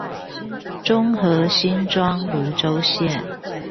中和新莊蘆洲線